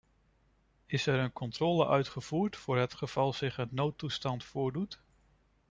Is er een controle uitgevoerd voor het geval zich een noodtoestand voordoet?